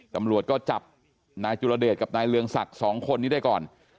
ตำรวจก็จับนายจุลเดชกับนายเรืองศักดิ์สองคนนี้ได้ก่อน